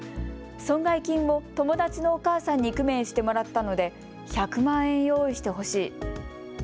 損害金を友達のお母さんに工面してもらったので１００万円用意してほしい。